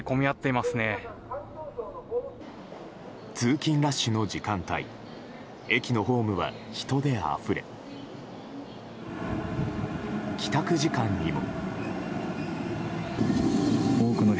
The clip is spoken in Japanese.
通勤ラッシュの時間帯駅のホームは人であふれ帰宅時間にも。